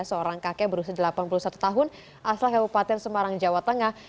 seorang kakek berusia delapan puluh satu tahun asal kabupaten semarang jawa tengah